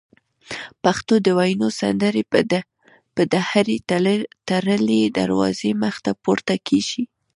پښتون د وینو سندري به د هري تړلي دروازې مخته پورته کیږي